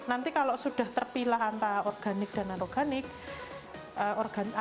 nanti kalau sudah terpilah antara organik dan non organik